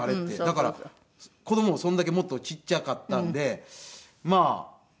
だから子供もそれだけもっとちっちゃかったんでまあねえ